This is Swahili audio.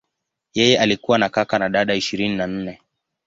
Yeye alikuwa na kaka na dada ishirini na nne.